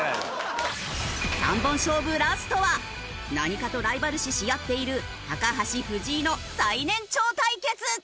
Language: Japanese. ３本勝負ラストは何かとライバル視し合っている橋藤井の最年長対決。